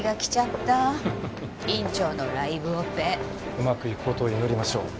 うまくいく事を祈りましょう。